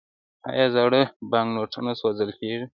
آیا زاړه بانکنوټونه سوځول کیږي؟